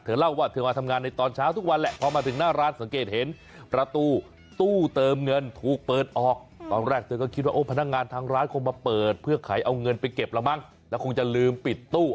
เล่าว่าเธอมาทำงานในตอนเช้าทุกวันแหละพอมาถึงหน้าร้านสังเกตเห็นประตูตู้เติมเงินถูกเปิดออกตอนแรกเธอก็คิดว่าโอ้พนักงานทางร้านคงมาเปิดเพื่อขายเอาเงินไปเก็บแล้วมั้งแล้วคงจะลืมปิดตู้